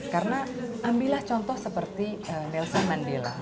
karena ambillah contoh seperti nelson mandela